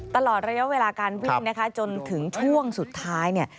ตลอดระยะเวลาการวิ่งนะคะจนถึงช่วงสุดท้ายเนี่ย